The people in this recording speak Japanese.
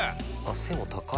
背も高い。